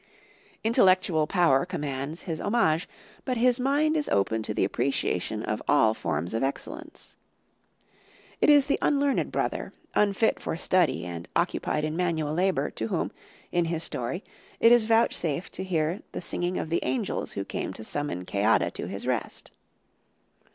Intellectual power commands his homage, but his mind is open to the appreciation of all forms of excellence. It is the unlearned brother, unfit for study and occupied in manual labour, to whom, in his story, it is vouchsafed to hear the singing of the angels who came to summon Ceadda to his rest.